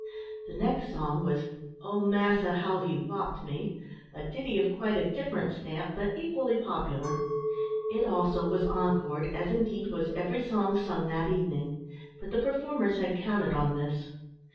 The next song was "Oh! Massa, how he wopped me," a ditty of quite a different stamp, but equally popular. It also was encored, as indeed was every song sting that evening; but the performers had counted on this.